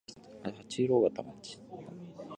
秋田県八郎潟町